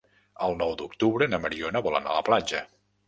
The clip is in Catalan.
El nou d'octubre na Mariona vol anar a la platja.